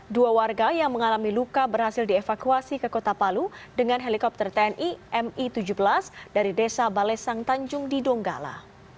dua warga yang mengalami luka berhasil dievakuasi ke kota palu dengan helikopter tni mi tujuh belas dari desa balesang tanjung di donggala